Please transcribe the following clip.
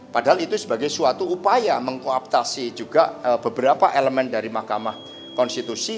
padahal itu sebagai suatu upaya mengkooptasi juga beberapa elemen dari mahkamah konstitusi